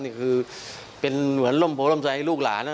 นี่คือเป็นเหมือนร่มโพร่มใจลูกหลานนะ